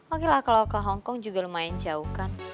oke lah kalau ke hongkong juga lumayan jauh kan